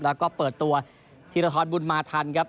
แล้วก็เปิดตัวธีรทรบุญมาทันครับ